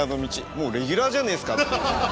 もうレギュラーじゃねえっすかっていう。